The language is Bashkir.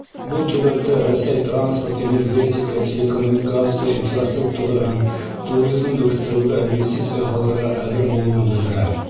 Был төбәктә Рәсәй транспорт, энергетика, телекоммуникация инфраструктураһын, туризмды үҫтереүгә инвестиция һалырға әҙер булыуын белдерә.